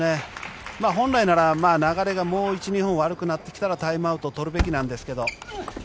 本来なら流れがもう１２本悪くなってきたらタイムアウトを取るべきなんですけど。